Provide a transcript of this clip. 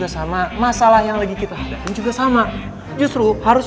sekarang kau tahu cari sampai tuntas